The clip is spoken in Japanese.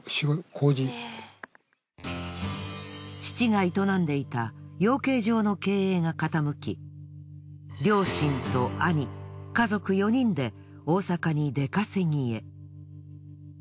父が営んでいた養鶏場の経営が傾き両親と兄家族４人で大阪に出稼ぎへ。